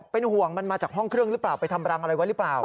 เป็นห่วงมันมาจากห้องเครื่องหรือเปล่าไปทำรังอะไรไว้หรือเปล่า